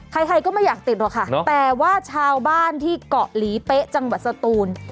ใครก็ไม่อยากติดหรอกค่ะแต่ว่าชาวบ้านที่เกาะหลีเป๊ะจังหวัดสตูน